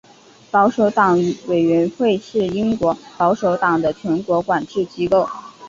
保守党委员会是英国保守党的全国管制机构。